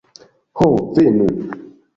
Ho venu!